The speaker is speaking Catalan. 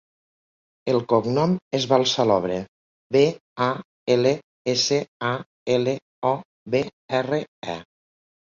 El cognom és Balsalobre: be, a, ela, essa, a, ela, o, be, erra, e.